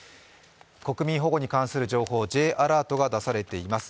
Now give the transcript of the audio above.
国民保護に関する情報、Ｊアラートが出されています。